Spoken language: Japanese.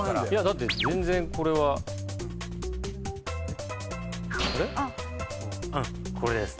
だって全然これは。うん。これです。